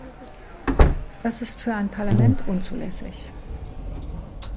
Das ist für ein Parlament unzulässig.